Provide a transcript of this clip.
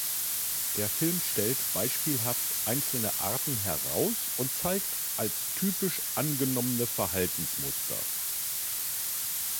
Der Film stellt beispielhaft einzelne Arten heraus und zeigt als typisch angenommene Verhaltensmuster.